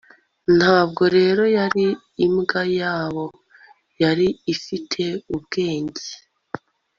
ntabwo rero yari imbwa yabo yari ifite ubwenge